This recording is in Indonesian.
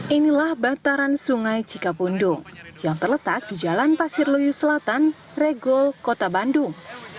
inilah bataran sungai cikapundung yang terletak di jalan pasir luyu selatan regol kota bandung